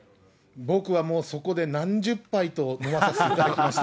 僕はもうそこで何十杯と飲まさせていただきました。